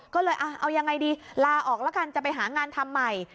ก็เลยเอายังไงดีลาออกแล้วกันจะไปหางานทำใหม่